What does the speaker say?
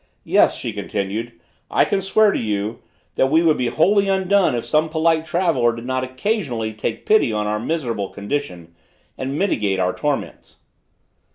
"Yes," she continued, "I can swear to you, that we should be wholly undone if some polite traveller did not occasionally take pity on our miserable condition, and mitigate our torments."